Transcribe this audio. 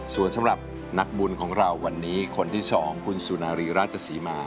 ส่วนสำหรับนักบุญของเราวันนี้คนที่๒คุณสุนารีราชศรีมา